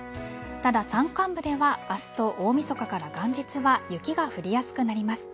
ただ、山間部では明日と大晦日から元日は雪が降りやすくなります。